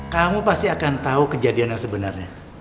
kamu pasti akan tahu kejadian yang sebenarnya